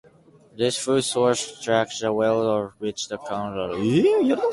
This food source attracts the whales for which the town of Kaikoura is famous.